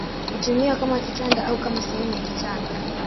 Hutumiwa kama kitanda au kama sehemu ya kitanda.